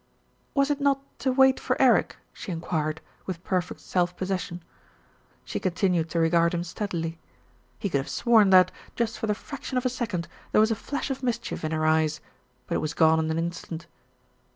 "Was it not to wait for Eric?" she enquired, with perfect self possession. She continued to regard him steadily. He could have sworn that, just for the fraction of a second, there was a flash of mischief in her eyes; but it was gone in an instant.